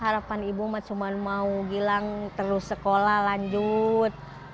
harapan ibu cuma mau gilang terus sekolah lanjut